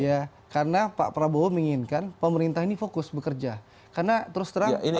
ya karena pak prabowo menginginkan pemerintah ini fokus bekerja karena terus terang